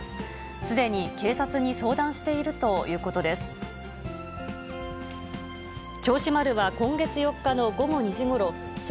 すでに警察に相談しているということです。